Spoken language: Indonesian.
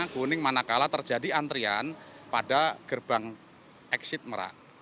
kuning mana kalah terjadi antrian pada gerbang exit merak